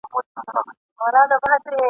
د آزادي نړۍ دغه کرامت دی ..